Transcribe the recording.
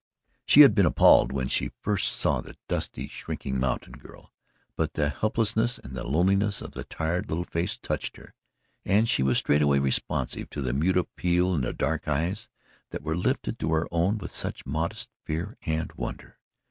She had been appalled when she first saw the dusty shrinking mountain girl, but the helplessness and the loneliness of the tired little face touched her, and she was straightway responsive to the mute appeal in the dark eyes that were lifted to her own with such modest fear and wonder.